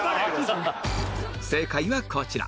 正解がこちら